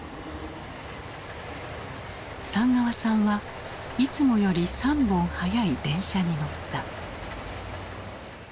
寒川さんはいつもより３本早い電車に乗った。